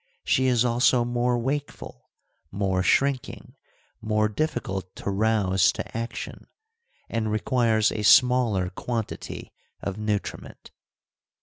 She is also more wakeful, more shrinking, more difficult to rouse to action, and requires a smaller quantity of nutriment.